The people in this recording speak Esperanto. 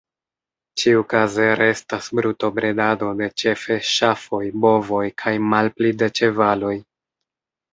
Ĉiukaze restas brutobredado de ĉefe ŝafoj, bovoj, kaj malpli de ĉevaloj.